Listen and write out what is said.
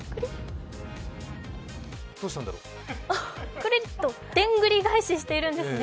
くるっとでんぐりがえししているんですね。